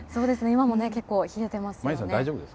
今も結構冷えていますね。